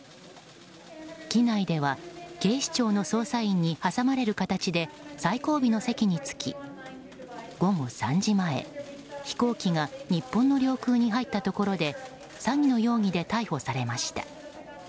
機内では警視庁の捜査員に挟まれる形で最後尾の席に着き、午後３時前飛行機が日本の領空に入ったところで詐欺の容疑で逮捕されました。